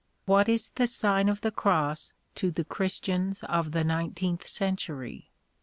What is the Sign of the Cross to the Christians of the nineteenth century?